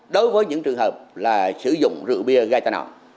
đối với những trường hợp là sử dụng rượu bia gây tai nạn